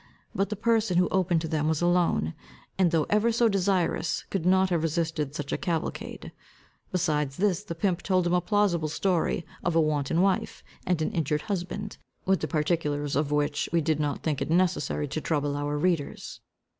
But the person who opened to them was alone, and though ever so desirous, could not have resisted such a cavalcade. Beside this, the pimp told him a plausible story of a wanton wife, and an injured husband, with the particulars of which we do not think it necessary to trouble our readers.